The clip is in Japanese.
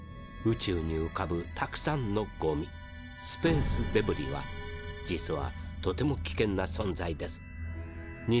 宇宙にうかぶたくさんのゴミスペースデブリは実はとても危険な存在です。